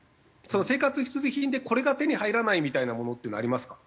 生活必需品でこれが手に入らないみたいなものっていうのはありますか？